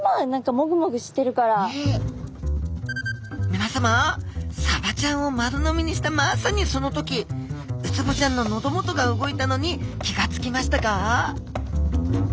みなさまサバちゃんを丸飲みにしたまさにその時ウツボちゃんの喉元が動いたのに気が付きましたか？